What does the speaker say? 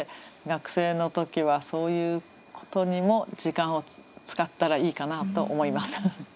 学生の時はそういうことにも時間を使ったらいいかなと思います。